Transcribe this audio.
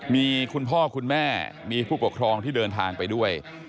มีคุณพ่อคุณแม่มีผู้ปกครองที่เดินทางไปด้วย